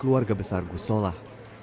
keluarga besar gus solah